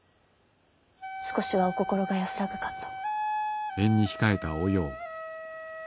少しはお心が安らぐかと。